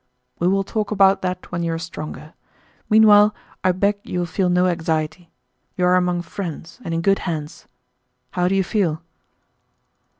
"We will talk about that when you are stronger. Meanwhile, I beg you will feel no anxiety. You are among friends and in good hands. How do you feel?"